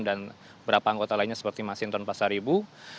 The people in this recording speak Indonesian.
dan beberapa anggota lainnya seperti masinton pasaribu